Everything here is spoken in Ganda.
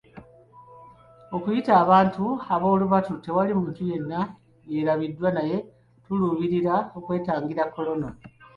Okuyita abantu ab'olubatu tewali muntu yenna yeerabiddwa naye tuluubirira okwetangira Kolona.